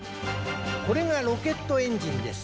これがロケットエンジンです。